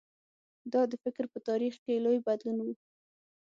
دا د فکر په تاریخ کې لوی بدلون و.